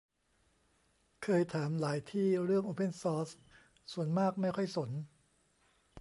เคยถามหลายที่เรื่องโอเพนซอร์ส ส่วนมากไม่ค่อยสน